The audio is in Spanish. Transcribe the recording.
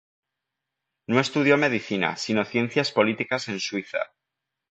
No estudió medicina, sino ciencias políticas en Suiza.